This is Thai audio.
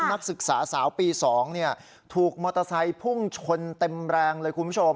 นักศึกษาสาวปี๒ถูกมอเตอร์ไซค์พุ่งชนเต็มแรงเลยคุณผู้ชม